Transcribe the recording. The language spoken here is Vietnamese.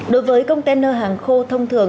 đối với container hàng khô thông thường